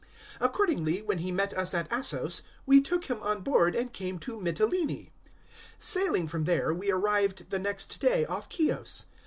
020:014 Accordingly, when he met us at Assos, we took him on board and came to Mitylene. 020:015 Sailing from there, we arrived the next day off Chios.